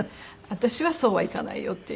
「私はそうはいかないよ」っていう。